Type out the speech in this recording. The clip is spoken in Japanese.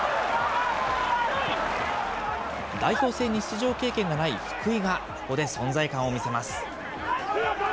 代表戦に出場経験がない福井がここで存在感を見せます。